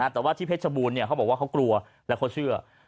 แต่ว่าที่เพชรบูรณ์เขาบอกว่าเขากลัวและเขาเชื่อ